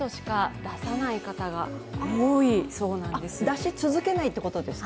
出し続けないということですか。